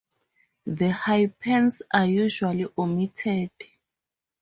The hyphens are usually omitted.